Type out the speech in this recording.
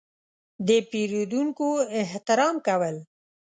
– د پېرودونکو احترام کول.